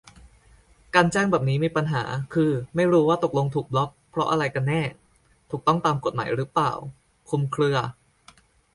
การแจ้งแบบนี้มีปัญหา คือ ไม่รู้ว่าตกลงถูกบล็อคเพราะอะไรกันแน่ ถูกต้องตามกฎหมายหรือเปล่า คลุมเครือ